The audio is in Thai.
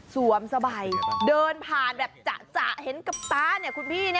สวมสบายเดินผ่านแบบจากเห็นก็ป๊าเนี่ยคุณพี่นี่